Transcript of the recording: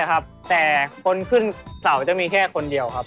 ใช่ครับแต่คนขึ้นเสาร์จะมีแค่คนเดียวครับ